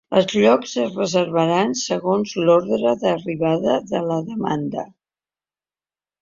Els llocs es reservaran segons l’ordre d’arribada de la demanda.